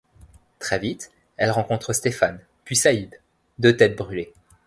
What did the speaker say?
Très vite, elle rencontre Stéphane puis Saïd, deux têtes brûlées.